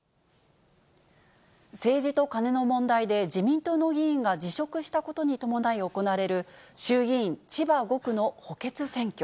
政治とカネの問題で自民党の議員が辞職したことに伴い行われる、衆議院千葉５区の補欠選挙。